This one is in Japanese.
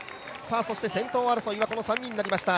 そして先頭争いはこの３人になりました。